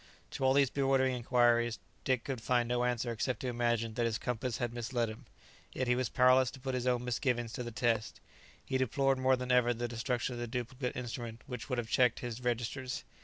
To all these bewildering inquiries Dick could find no answer except to imagine that his compass had misled him. Yet he was powerless to put his own misgivings to the test; he deplored more than ever the destruction of the duplicate instrument which would have checked his registers.